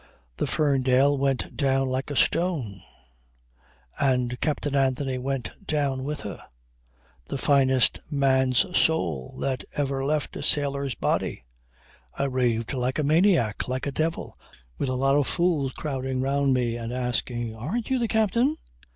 "The Ferndale went down like a stone and Captain Anthony went down with her, the finest man's soul that ever left a sailor's body. I raved like a maniac, like a devil, with a lot of fools crowding round me and asking, "Aren't you the captain?"